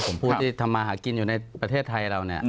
ผมผู้ที่ทำมาหากินอยู่ในประเทศไทยเราเนี่ย